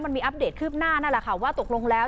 มันมีอัปเดตคืบหน้านั่นแหละค่ะว่าตกลงแล้ว